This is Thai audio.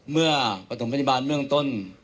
เมื่อปฐมพยาบาลเมืองต้น